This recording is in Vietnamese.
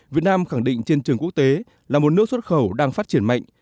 việt nam khẳng định trên trường quốc tế là một nước xuất khẩu đang phát triển mạnh